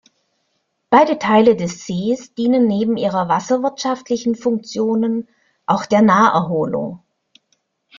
Beide Teile des Sees dienen neben ihren wasserwirtschaftlichen Funktionen auch der Naherholung.